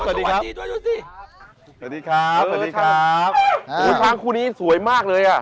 โอ้โฮช้างคู่นี้สวยมากเลย